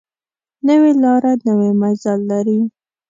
نوې لاره نوی منزل لري